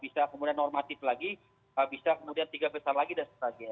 bisa kemudian tiga besar lagi dan sebagainya seperti itu